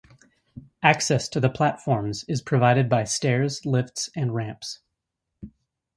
Access to the platforms is provided by stairs lifts and ramps.